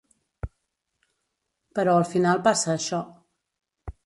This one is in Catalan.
Però al final passa això.